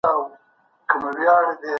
حکومت بهرنی سیاست نه بدلوي.